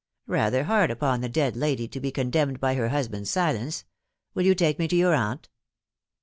" Rather hard upon the dead lady to be condemned by her husband's silence. Will you take me to your aunt